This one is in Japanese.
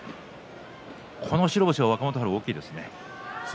この白星、若元春は大きいですね。